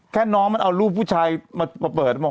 แค่น้องมันเอารูปผู้ชายมาเปิด